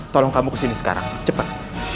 tolong kamu kesini sekarang cepat